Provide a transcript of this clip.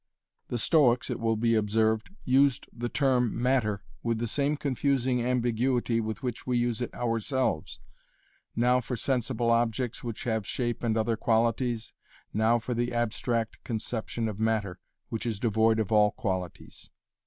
The Stoics, it will be observed, used the term "matter" with the same confusing ambiguity with which we use it ourselves, now for sensible objects which have shape and other qualities, now for the abstract conception of matter, which is devoid of all qualities.